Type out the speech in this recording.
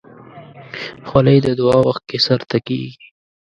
خولۍ د دعا وخت کې سر ته کېږي.